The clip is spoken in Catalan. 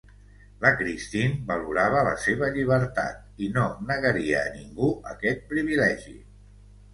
La Christine valorava la seva llibertat, i no negaria a ningú aquest privilegi.